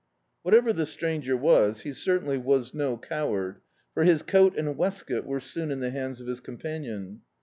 Whatever the stranger was, he certainly was no coward, for his coat and waistcoat were soon in the hands of his ccnnpanion.